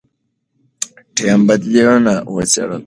ټیم بدیلونه وڅېړل.